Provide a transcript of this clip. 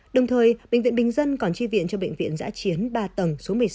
đồng thời bệnh viện bình dân còn tri viện cho bệnh viện giã chiến ba tầng số một mươi sáu